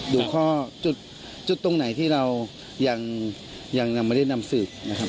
ดูข้อจุดตรงไหนที่เรายังไม่ได้นำสืบนะครับ